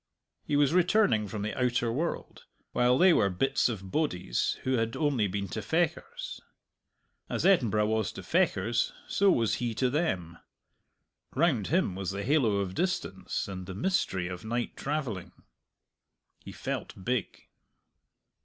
He was returning from the outer world, while they were bits of bodies who had only been to Fechars. As Edinburgh was to Fechars so was he to them. Round him was the halo of distance and the mystery of night travelling. He felt big.